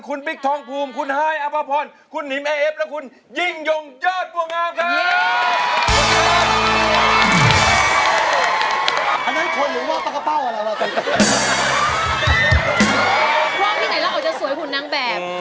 ครอบที่ไหนต้องจะสวยผูนนางแบบ